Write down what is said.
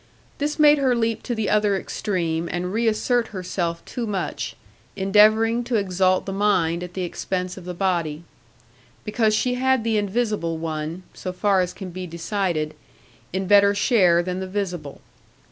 This made her leap to the other extreme, and reassert herself too much, endeavouring to exalt the mind at the expense of the body; because she had the invisible one (so far as can be decided) in better share than the visible.